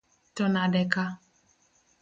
To nade ka